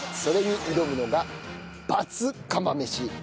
それに挑むのが罰釜飯。